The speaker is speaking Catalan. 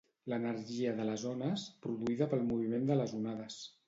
L'energia de les ones, produïda pel moviment de les onades.